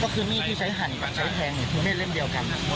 ก็คือมีดที่ใช้หั่นกับใช้แทงคือมีดเล่มเดียวกัน